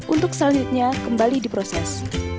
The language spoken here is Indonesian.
untuk selanjutnya kembali diproses